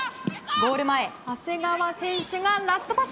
ゴール前長谷川選手がラストパス。